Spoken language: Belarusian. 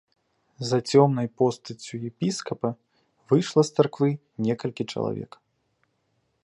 За цёмнай постаццю епіскапа выйшла з царквы некалькі чалавек.